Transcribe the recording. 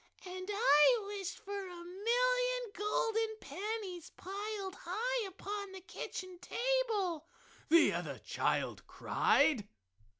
"And I wish for a million golden pennies piled high upon the kitchen table!" the other child cried.